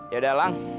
ya udah lang